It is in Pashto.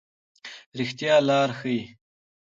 رښتیا لار ښيي.